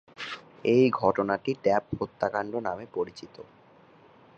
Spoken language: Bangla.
এই ঘটনাটি ট্যাপ হত্যাকাণ্ড নামেও পরিচিত।